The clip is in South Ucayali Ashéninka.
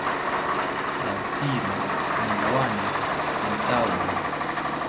Rantziro nowani antawo